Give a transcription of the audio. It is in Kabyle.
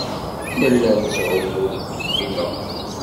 Nella nettɛumu deg ugelmim-a.